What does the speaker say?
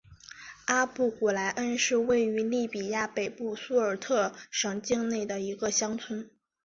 阿布古来恩是位于利比亚北部苏尔特省境内的一个乡村。